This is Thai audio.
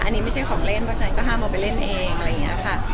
อันนี้ไม่ใช่ของเล่นเพราะฉะนั้นก็ห้ามเอาไปเล่นเองอะไรอย่างนี้ค่ะ